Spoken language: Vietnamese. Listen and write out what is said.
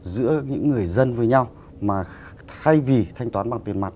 giữa những người dân với nhau mà thay vì thanh toán bằng tiền mặt